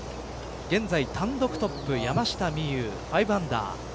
現在単独トップ山下美夢有５アンダー。